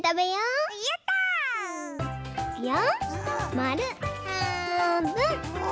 まるはんぶん！